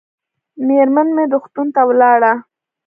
مېرمن مې روغتون ته ولاړه